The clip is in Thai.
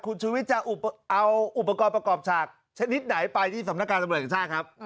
คุณชุวิตจะเอาอุปกรณ์ประกอบฉากชนิดไหนไปที่สำนักการตำรวจแห่งชาติครับ